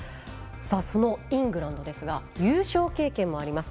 そのイングランドですが優勝経験もあります。